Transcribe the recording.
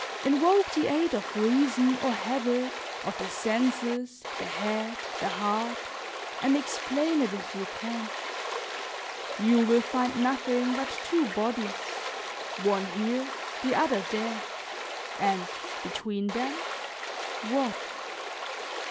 Invoke the aid of reason, or habit, of the senses, the head, the heart, and explain it if you can. You will find nothing but two bodies, one here, the other there, and between them, what?